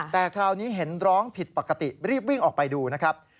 แต่คราวนี้เห็นร้องผิดปกติรีบวิ่งออกไปดูนะครับ